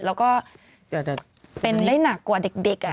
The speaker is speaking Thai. แล้วจะได้หนักกว่าเด็ก